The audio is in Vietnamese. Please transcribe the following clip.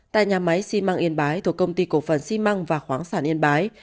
tại nhà máy xi măng yên bái thuộc công ty cổ phần xi măng và khoáng sản yên bái